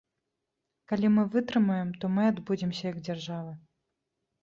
Калі мы вытрымаем, то мы адбудземся як дзяржава.